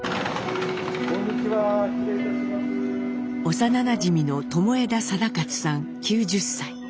幼なじみの友枝貞勝さん９０歳。